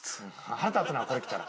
腹立つなこれきたら。